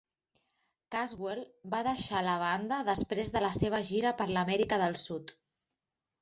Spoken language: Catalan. Casswell va deixar la banda després de la seva gira per l'Amèrica del Sud.